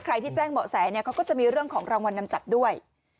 ใครที่แจ้งเบาะแสก็จะมีเรื่องของรางวัลนำจัดด้วย